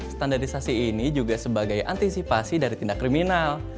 standarisasi ini juga sebagai antisipasi dari tindak kriminal